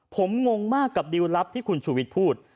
ผมงงมากกับดิวลลับที่คุณชูวิทย์พูด